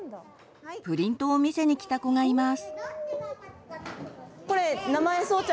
プリントを見せにきた子がいます。